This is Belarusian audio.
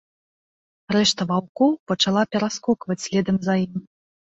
Рэшта ваўкоў пачала пераскокваць следам за ім.